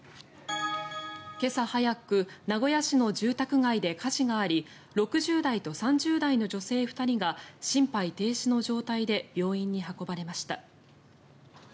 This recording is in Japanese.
今朝早く名古屋市の住宅街で火事があり６０代と３０代の女性２人が心肺停止の状態で病院に運ばれました。